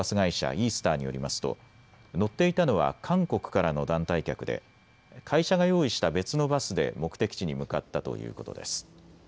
イースターによりますと乗っていたのは韓国からの団体客で会社が用意した別のバスで目的地に向かったということです。